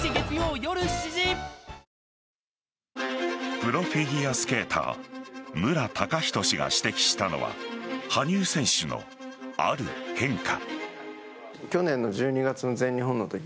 プロフィギュアスケーター無良崇人氏が指摘したのは羽生選手のある変化。